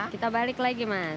kita balik lagi mas